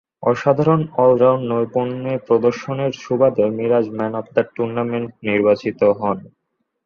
অসাধারণ অল-রাউন্ড নৈপুণ্যে প্রদর্শনের সুবাদে Miraz "man of the tournament" নির্বাচিত হন।